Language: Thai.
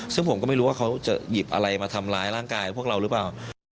ซึ่งผมก็ไม่รู้ว่าเขาจะหยิบอะไรมาทำร้ายร่างกายพวกเราหรือเปล่า